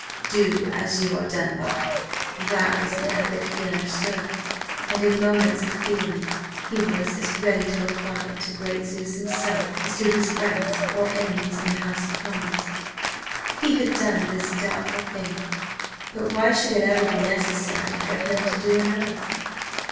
"Do as you are done by" that was an ethic he understood. And in moments of feeling he was as ready to apply it to great Zeus himself as to his friends or enemies in the House of Commons. He had done this doubtful thing but why should it ever be necessary for him to do another?